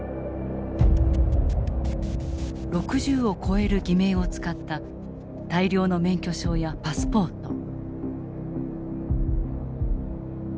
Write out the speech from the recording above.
６０を超える偽名を使った大量の免許証やパスポート。